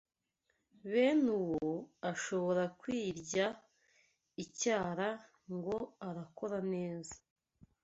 bene uwo ashobora kwirya icyara ngo arakora neza